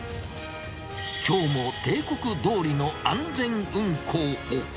きょうも定刻どおりの安全運行を。